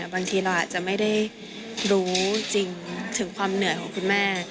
บางทีเราอาจจะไม่ได้รู้จริงถึงความเหนื่อยของคุณแม่